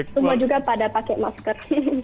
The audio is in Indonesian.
semua juga pada pakai masker